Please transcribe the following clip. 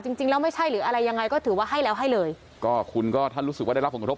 จริงแล้วไม่ใช่หรืออะไรยังไงก็ถือว่าให้แล้วให้เลยก็คุณก็ถ้ารู้สึกว่าได้รับผลกระทบ